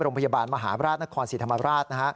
โรงพยาบาลมหาราชนครศรีธรรมราช